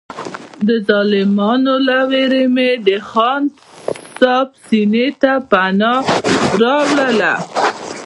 د ظالمانو له وېرې مې د خان صاحب سینې ته پناه راوړله.